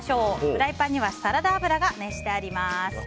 フライパンにはサラダ油が熱してあります。